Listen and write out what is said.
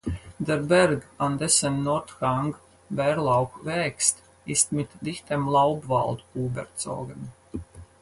Der Berg, an dessen Nordhang Bärlauch wächst, ist mit dichtem Laubwald überzogen.